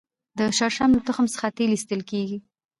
د شړشم له تخم څخه تېل ایستل کیږي